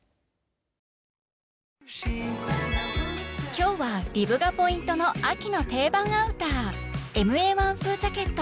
今日はリブがポイントの秋の定番アウター「ＭＡ−１風ジャケット」。